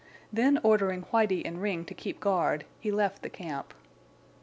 Then ordering Whitie and Ring to keep guard, he left the camp.